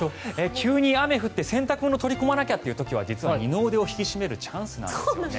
急に雨が降って洗濯物を取り込まなきゃという時は二の腕を引き締めるチャンスなんですよね。